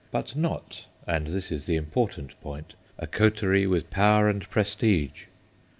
But not and this is the important point a coterie with power and prestige.